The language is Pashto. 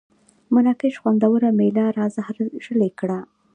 مراکش خوندوره مېله را زهرژلې کړه.